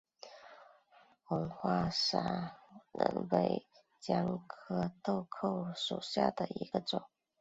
红花砂仁为姜科豆蔻属下的一个种。